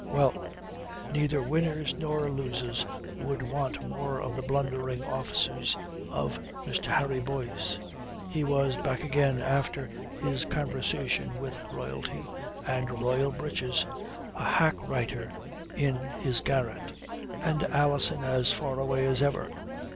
Well! Neither winners nor losers would want more of the blundering offices of Mr. Harry Boyce. He was back again after his conversation with royalty and royal breeches a hack writer in his garret. And Alison as far away as ever.